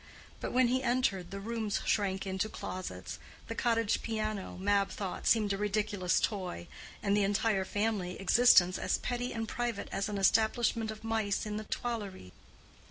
But when he entered, the rooms shrank into closets, the cottage piano, Mab thought, seemed a ridiculous toy, and the entire family existence as petty and private as an establishment of mice in the Tuileries.